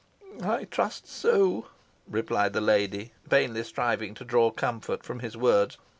"I trust so," replied the lady, vainly striving to draw comfort from his words.